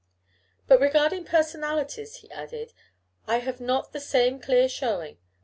"But regarding personalities," he added, "I have not the same clear showing.